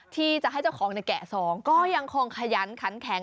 ที่จะให้เจ้าของแกะซองก็ยังคงขยันขันแข็ง